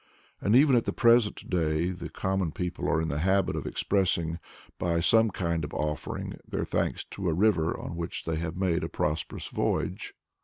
And even at the present day the common people are in the habit of expressing, by some kind of offering, their thanks to a river on which they have made a prosperous voyage.